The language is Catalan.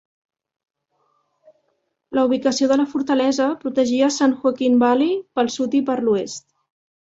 La ubicació de la fortalesa protegia San Joaquin Valley pel sud i per l"oest.